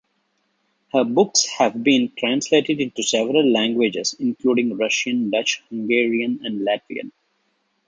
Her books have been translated into several languages, including Russian, Dutch, Hungarian and Latvian.